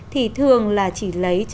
thì thường là chỉ lấy